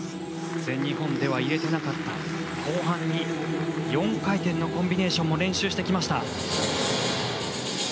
全日本では入れていなかった後半に４回転のコンビネーションも練習してきました。